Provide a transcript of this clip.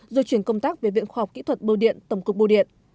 rồi chuyển công tác về viện khoa học kỹ thuật bô điện tổng cục bô điện